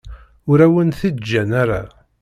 Ur awen-t-id-ǧǧan ara.